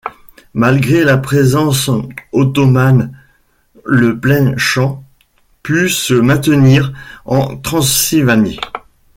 Malgré la présence ottomane, le plain-chant pu se maintenir en Transylvanie.